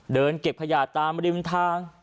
เดินเก็บขยะตามริมทาง